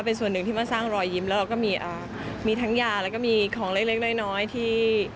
เป็นส่วนหนึ่งที่มาสร้างรอยยิ้มแล้วเราก็มีทั้งยาแล้วก็มีของเล็กน้อยที่